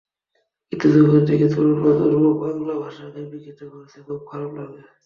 কিন্তু যখন দেখি তরুণ প্রজন্ম বাংলা ভাষাকে বিকৃত করছে, খুব খারাপ লাগে।